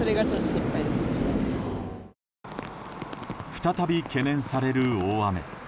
再び懸念される大雨。